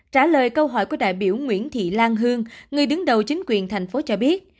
trả lời câu hỏi của đại biểu nguyễn thị lan hương người đứng đầu chính quyền thành phố cho biết